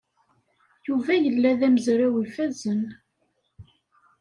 Yuba yella d amezraw ifazen.